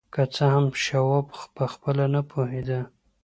که څه هم شواب پخپله نه پوهېده